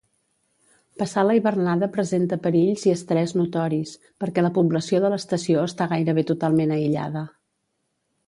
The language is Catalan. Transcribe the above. Passar la hivernada presenta perills i estrès notoris, perquè la població de l'estació està gairebé totalment aïllada.